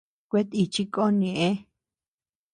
Kuetíchi kon ñeʼë.